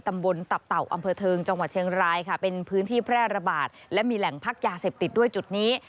ตำบลตับเต่าอำเภอเทิงจังหวัดเชียงรายค่ะเป็นพื้นที่แพร่ระบาดและมีแหล่งพักยาเสพติดด้วยจุดนี้